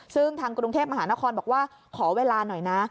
ซึ่งทางกรุงเทพมหานครบอกว่าขอเวลาหน่อยนะ